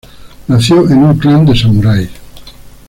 Nació en un clan de samuráis.